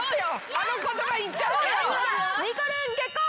あの言葉言っちゃおうよ。